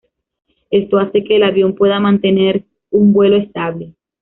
Esto hace que el avión pueda mantener un vuelo estable.